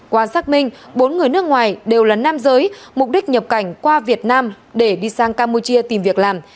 qua xác minh bốn người nước ngoài đều là nam giới mục đích nhập cảnh qua việt nam để đi sang campuchia tìm việc làm